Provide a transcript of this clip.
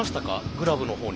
グラブのほうに。